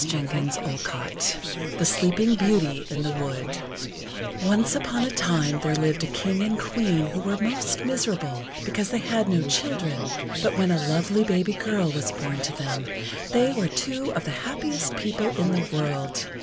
Charles Perrault THE SLEEPING BEAUTY IN THE WOOD Once upon a time there lived a King and Queen who were most miserable because they had no children; but when a lovely baby girl was born to them, they were two of the happiest people in the world.